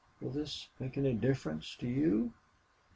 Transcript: Will this make any difference to you?"